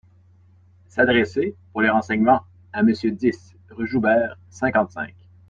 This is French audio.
S’adresser, pour les renseignements, à Monsieur dix…, rue Joubert, cinquante-cinq.